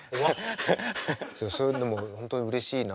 そういうのも本当にうれしいな。